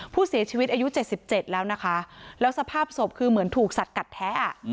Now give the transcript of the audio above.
ผู้เสียชีวิตอายุ๗๗แล้วนะคะแล้วสภาพศพคือเหมือนถูกสัดกัดแท้